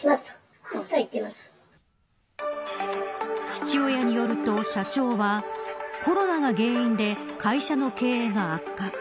父親によると社長はコロナが原因で会社の経営が悪化。